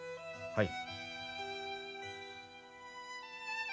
はい。